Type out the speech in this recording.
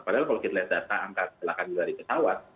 padahal kalau kita lihat data angka kecelakaan dari pesawat